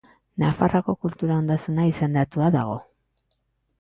Nafarroako kultura ondasuna izendatua dago.